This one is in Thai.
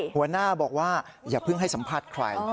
หัวหน้าบอกว่าอย่าเพิ่งให้สัมภาษณ์ใคร